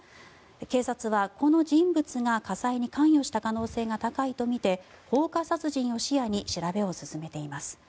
警察は、この人物が火災に関与した可能性が高いとみて放火殺人を視野に調べを進めています。